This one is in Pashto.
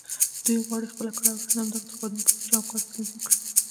دوی غواړي خپل کړه وړه د همدغو قوانينو په چوکاټ کې تنظيم کړي.